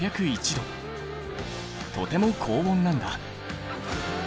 とても高温なんだ。